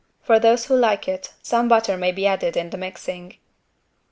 For those who like it some butter may be added in the mixing.